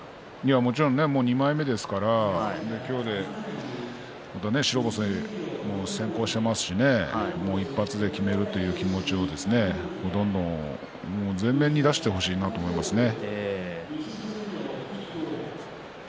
もちろん２枚目ですので白星先行していますし１発できめるという気持ちを前面に出してほしいですね。